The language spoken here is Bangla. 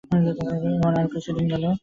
এমন আরো কিছুদিন গেল।